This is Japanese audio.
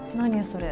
それ。